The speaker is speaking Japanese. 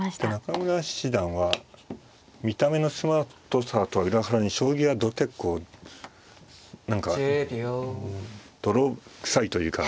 中村七段は見た目のスマートさとは裏腹に将棋は結構何か泥臭いというか。